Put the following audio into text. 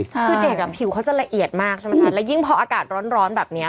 คือเด็กอ่ะผิวเขาจะละเอียดมากใช่ไหมคะแล้วยิ่งพออากาศร้อนแบบนี้